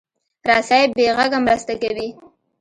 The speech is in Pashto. رسۍ بې غږه مرسته کوي.